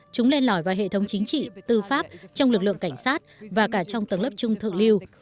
chúng lên lỏi vào hệ thống chính trị tư pháp trong lực lượng cảnh sát và cả trong tầng lớp trung thượng lưu